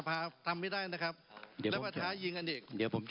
แล้วพอท้ายิงอันเดียก